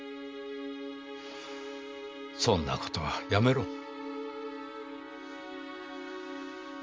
そんな事はやめろ。